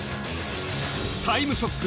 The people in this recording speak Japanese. タイムショック」